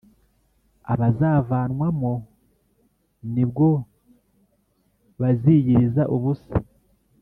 azabavanwamo ni bwo baziyiriza ubusa